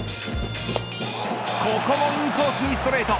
ここもインコースにストレート。